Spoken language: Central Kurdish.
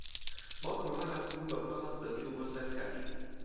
باوکم ڕاھاتبوو بە پاس دەچوو بۆ سەر کار.